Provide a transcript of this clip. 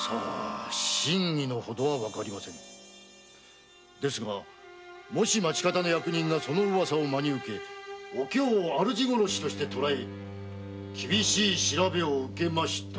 真偽のほどはわかりませぬがもし町方役人がそのウワサを真に受けお京を主殺しとして捕え厳しい取り調べを致しましたなら。